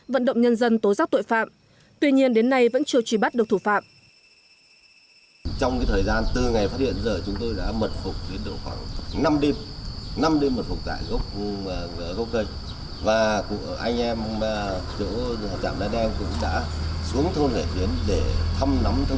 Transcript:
vận động nhân dân tố giác tội phạm tuy nhiên đến nay vẫn chưa truy bắt được thủ phạm